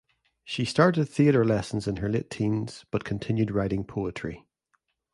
She started theatre lessons in her late teens, but continued writing poetry.